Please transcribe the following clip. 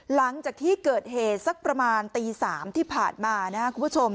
หลังจากที่เกิดเหตุสักประมาณตี๓ที่ผ่านมานะครับคุณผู้ชม